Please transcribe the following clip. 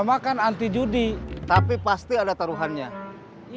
uang nggak sama gan anti judi tapi pasti ada taruhannya ia apa yang ngocok jongkok berapa